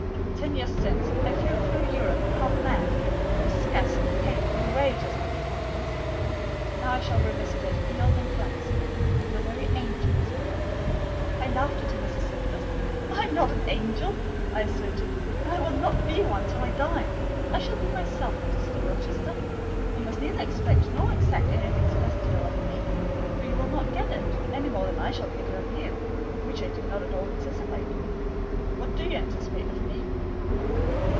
Ten years since, I flew through Europe half mad; with disgust, hate, and rage as my companions: now I shall revisit it healed and cleansed, with a very angel as my comforter." I laughed at him as he said this. "I am not an angel," I asserted; "and I will not be one till I die: I will be myself. Mr. Rochester, you must neither expect nor exact anything celestial of me—for you will not get it, any more than I shall get it of you: which I do not at all anticipate." "What do you anticipate of me?"